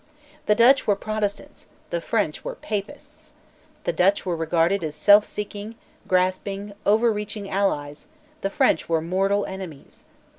The Dutch were Protestants; the French were Papists. The Dutch were regarded as selfseeking, grasping overreaching allies; the French were mortal enemies.